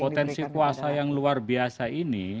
potensi kuasa yang luar biasa ini